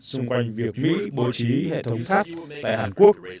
xung quanh việc mỹ bố trí hệ thống pháp tại hàn quốc